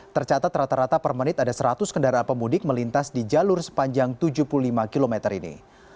tercatat rata rata per menit ada seratus kendaraan pemudik melintas di jalur sepanjang tujuh puluh lima km ini